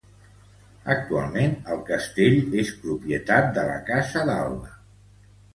Actualment el castell és propietat de la Casa d'Alba.